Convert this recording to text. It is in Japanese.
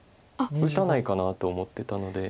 打たないかなと思ってたので。